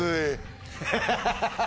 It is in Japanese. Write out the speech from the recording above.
ハハハハ。